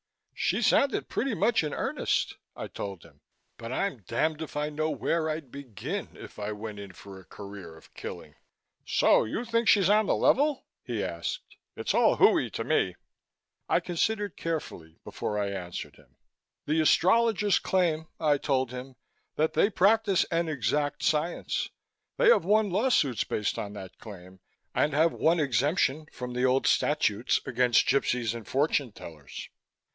"She sounded pretty much in earnest," I told him, "but I'm damned if I know where I'd begin if I went in for a career of killing." "So you think she's on the level?" he asked. "It's all hooey to me." I considered carefully before I answered him. "The astrologers claim," I told him, "that they practice an exact science. They have won law suits based on that claim and have won exemption from the old statutes against gypsies and fortune tellers.